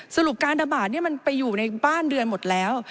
สรุปการระบาดมันไปอยู่ในบ้านเรือนหมดแล้ว